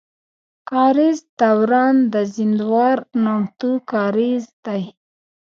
کاريز دوران د زينداور نامتو کاريز دی.